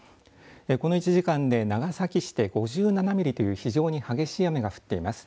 この１時間で長崎市で５７ミリという非常に激しい雨が降っています。